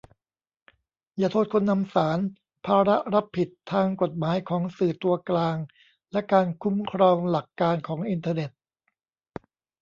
อย่าโทษคนนำสาร : ภาระรับผิดทางกฎหมายของสื่อตัวกลางและการคุ้มครองหลักการของอินเทอร์เน็ต